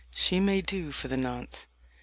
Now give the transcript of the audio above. She may do for the nonce." X.